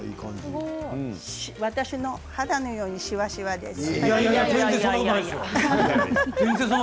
私の肌のようにしわしわです。